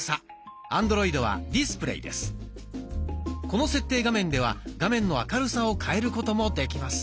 この設定画面では画面の明るさを変えることもできます。